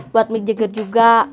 buat mik jagat juga